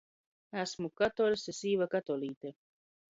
Asmu katuoļs, i sīva katuolīte.